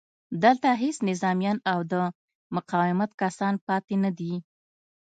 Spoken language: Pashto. دلته هېڅ نظامیان او د مقاومت کسان پاتې نه دي